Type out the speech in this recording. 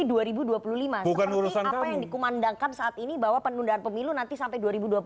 seperti apa yang dikumandangkan saat ini bahwa penundaan pemilu nanti sampai dua ribu dua puluh empat